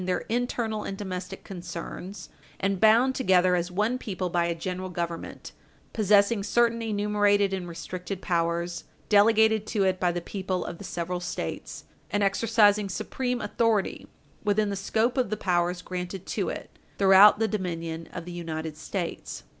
448 their internal and domestic concerns, and bound together as one people by a General Government, possessing certain enumerated and restricted powers delegated to it by the people of the several States, and exercising supreme authority within the scope of the powers granted to it throughout the dominion of the United States.